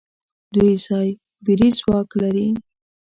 دوی سايبري ځواک لري.